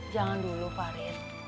jangan dulu farid